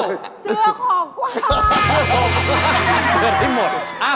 เสื้อของกว้าง